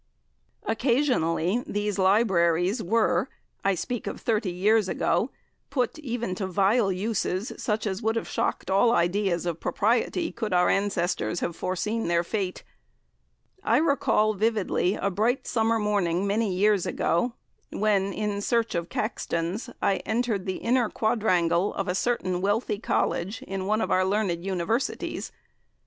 Occasionally these libraries were (I speak of thirty years ago) put even to vile uses, such as would have shocked all ideas of propriety could our ancestors have foreseen their fate. I recall vividly a bright summer morning many years ago, when, in search of Caxtons, I entered the inner quadrangle of a certain wealthy College in one of our learned Universities.